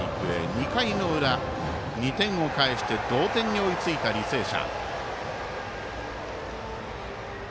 ２回の裏、２点を返して同点に追いついた履正社。